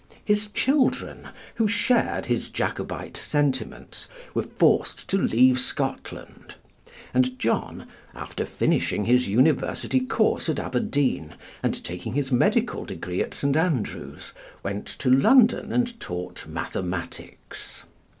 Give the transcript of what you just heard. His children, who shared his Jacobite sentiments, were forced to leave Scotland; and John, after finishing his university course at Aberdeen, and taking his medical degree at St. Andrews, went to London and taught mathematics.